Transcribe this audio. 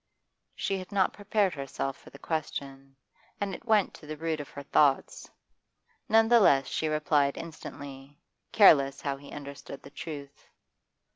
She had not prepared herself for the question, and it went to the root of her thoughts; none the less she replied instantly, careless how he understood the truth.